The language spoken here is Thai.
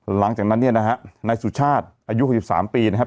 หลังจากนั้นเนี่ยนะฮะนายสุชาติอายุ๖๓ปีนะครับ